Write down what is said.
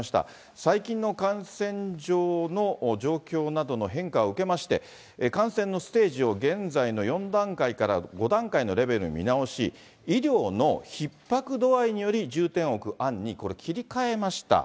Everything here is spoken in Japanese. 最近の感染上の、状況などの変化を受けまして、感染のステージを現在の４段階から５段階のレベルに見直し、医療のひっ迫度合いにより重点を置く案にこれ、切り替えました。